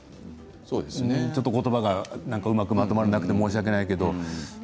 ちょっと言葉がうまくまとまらなくて申し訳ないけど。